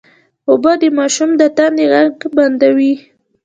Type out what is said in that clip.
اوبه د ماشوم د تندې غږ بندوي